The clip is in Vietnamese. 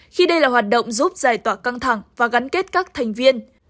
khi đây là hoạt động giúp giải tỏa căng thẳng và gắn kết các thành viên